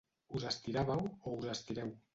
Us estiràveu o us estireu.